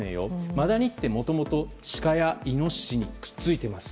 マダニって、もともとシカやイノシシにくっついています。